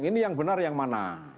ini yang benar yang mana